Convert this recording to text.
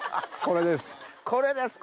これですか。